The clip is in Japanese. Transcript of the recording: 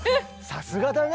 さすがだね！